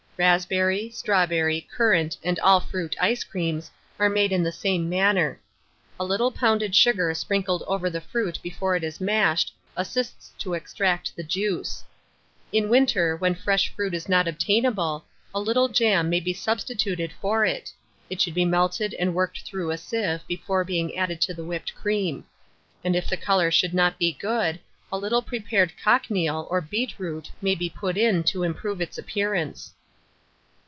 Raspberry, strawberry, currant, and all fruit ice creams, are made in the same manner. A little pounded sugar sprinkled over the fruit before it is mashed assists to extract the juice. In winter, when fresh fruit is not obtainable, a little jam may be substituted for it: it should be melted and worked through a sieve before being added to the whipped cream; and if the colour should not be good, a little prepared cochineal or beetroot may be put in to improve its appearance.